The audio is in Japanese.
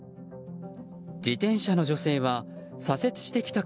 自転車の女性は左折してきた